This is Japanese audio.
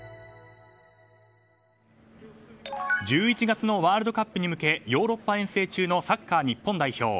１１月のワールドカップに向けヨーロッパ遠征中のサッカー日本代表。